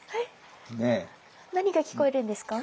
何が聞こえるんですか？